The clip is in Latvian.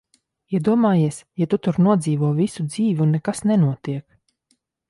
Iedomājies, ja tu tur nodzīvo visu dzīvi, un nekas nenotiek!